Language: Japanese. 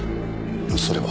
それは。